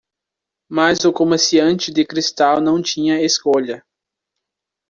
Mas o comerciante de cristal não tinha escolha.